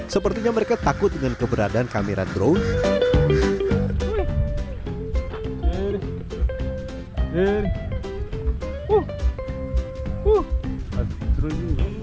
sepertinya mereka takut dengan keberadaan kamera drone